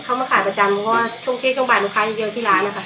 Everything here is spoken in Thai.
เขามักขายประจามพูดว่าเครื่องบานบาลบ้านโลกขายเยอะเยอะที่ร้าน